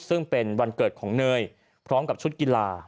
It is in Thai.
ซึ่งเป็นวันเกิดของเนยพร้อมกับชุดกีฬา